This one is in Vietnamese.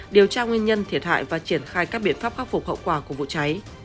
điều tra nguyên nhân thiệt hại và triển khai các biện pháp khắc phục hậu quả của vụ cháy